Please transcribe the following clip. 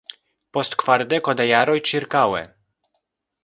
Post kvardeko da jaroj ĉirkaŭe.